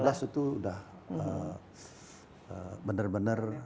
ya delapan belas itu udah benar benar